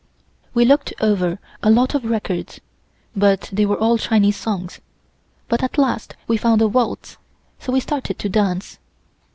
We looked over a lot of records, but they were all Chinese songs, but at last we found a waltz, so we started to dance.